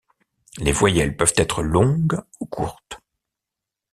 Les voyelles peuvent être longues ou courtes.